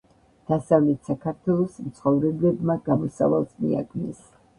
დასავლეთ საქართველოს მცხოვრებლებმა გამოსავალს მიაგნეს.